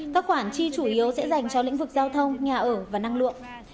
các khoản chi chủ yếu sẽ dành cho lĩnh vực giao thông nhà ở và năng lượng